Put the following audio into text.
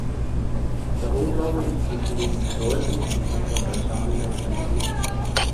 Darum, glaube ich, müssen wir die Bedeutung von Aserbaidschan erkennen.